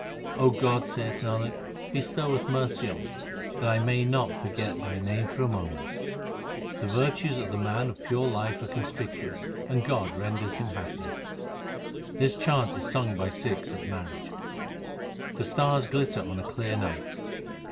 God, saith Nanak, bestow mercy on me, that I may not forget Thy name for a moment ! The virtues of the man of pure life are conspicuous and God renders him happy. This chant is sung by Sikhs at marriages : The stars glitter on a clear night.